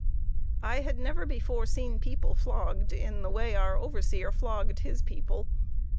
I had never before seen people flogged in the way our overseer flogged his people.